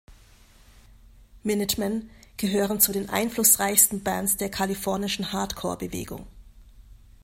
Minutemen gehören zu den einflussreichsten Bands der kalifornischen Hardcore-Bewegung.